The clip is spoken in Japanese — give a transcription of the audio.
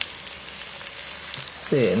せの。